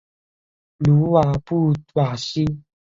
鲁瓦布瓦西。